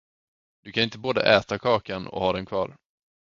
Du kan inte både äta kakan och ha den kvar.